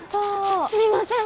すみません！